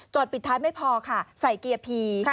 ปิดท้ายไม่พอค่ะใส่เกียร์พี